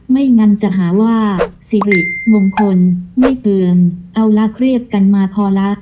ไม่งั้นจะหาว่าสิริมงคลไม่เตือนเอาละเครียดกันมาพอละ